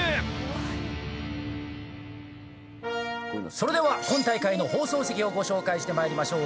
それでは、今大会の放送席をご紹介してまいりましょう。